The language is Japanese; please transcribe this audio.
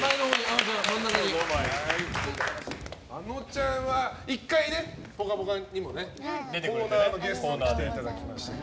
あのちゃんは、１回ね「ぽかぽか」にもねコーナーのゲストで来てたいただきましたが。